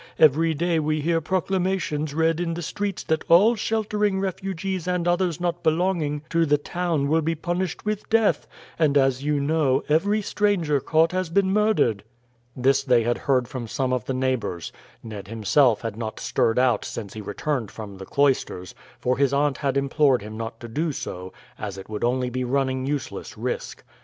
Every day we hear proclamations read in the streets that all sheltering refugees and others not belonging to the town will be punished with death; and, as you know, every stranger caught has been murdered." This they had heard from some of the neighbours. Ned himself had not stirred out since he returned from the cloisters; for his aunt had implored him not to do so, as it would only be running useless risk.